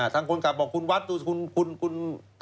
ว่าเขากะผิด